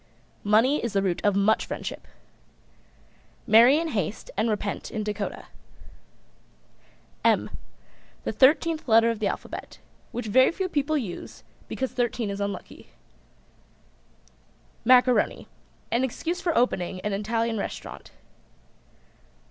Money is the root of much friendship. Marry in haste and repent in Dakota. #### M: The thirteenth letter of the alphabet, which very few people use because thirteen is unlucky. ####MACARONI. An excuse for opening an Italian restaurant.